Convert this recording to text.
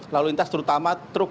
lalu lintas terutama truk